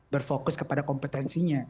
berfokus kepada kompetensinya